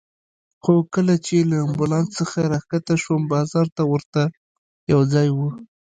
خو کله چې له امبولانس څخه راکښته شوم، بازار ته ورته یو ځای و.